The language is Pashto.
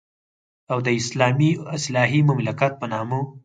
او د اسلامي اصلاحي مملکت په نامه.